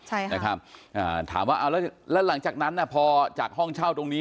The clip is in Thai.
ใช่ครับถามว่าแล้วหลังจากนั้นพอจากห้องเช่าตรงนี้